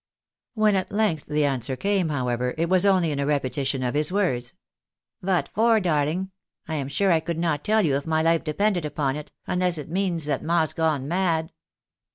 " When at length the answer came, however, it was only in a repetition of his words, " Vat for, darling ? I am sure I could not tell you if my life depended upon it, unless it means that ma's gone mad."